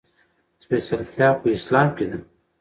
سپېڅلتيا خو اسلام کې ده.